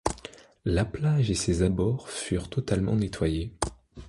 La plage et ses abords furent totalement nettoyés.